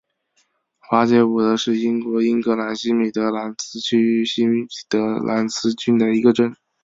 华捷伍德是英国英格兰西米德兰兹区域西米德兰兹郡的一个镇。